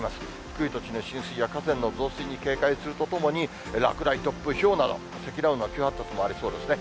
低い土地の浸水や河川の増水に警戒するとともに、落雷、突風、ひょうなど、積乱雲の急発達もありそうですね。